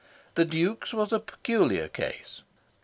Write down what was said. The Duke's was a peculiar case.